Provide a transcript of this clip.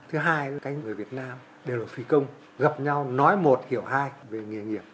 thứ hai là cái người việt nam đều là phi công gặp nhau nói một hiểu hai về nghề nghiệp